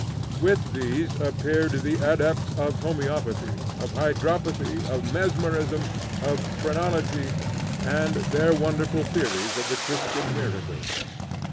With these appeared the adepts of homoeopathy, of hydropathy, of mesmerism, of phrenology, and their wonderful theories of the Christian miracles!